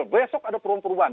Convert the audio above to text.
besok ada perubahan perubahan